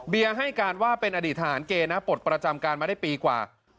เบียงให้การว่าเป็นอดิษฐานเกย์นะปฏิประจำการมาได้ปีกว่า